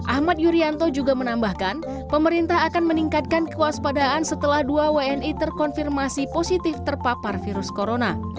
ahmad yuryanto juga menambahkan pemerintah akan meningkatkan kewaspadaan setelah dua wni terkonfirmasi positif terpapar virus corona